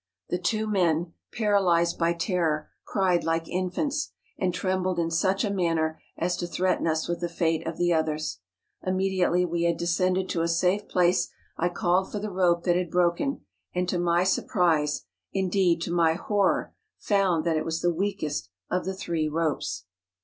The two men, paralysed by terror, cried like infants, and trembled in such a manner as to threaten us with the fate of the others. Immediately we had de¬ scended to a safe place I called for the rope that had broken, and to my surprise—indeed, to my horror — found that it was the weakest of the three ropes. 106 MOUNTAIN ADVENTUEES.